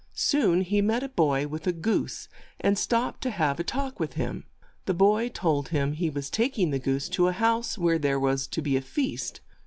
Soon he met a boy with a goose, and stopped to have a talk with him. The boy told him he was tak ing the goose to a house where there was to be a feast.